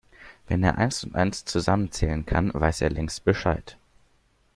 Wenn er eins und eins zusammenzählen kann, weiß er längst Bescheid.